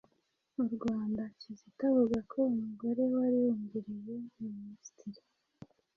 u Rwanda, Kizito avuga ko umugore wari wungirije minisitiri,